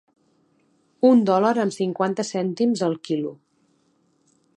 Un dòlar amb cinquanta cèntims el quilo.